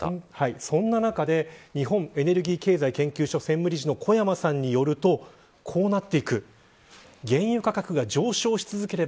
そんな中で日本エネルギー経済研究所専務理事の小山さんによると上がっていく。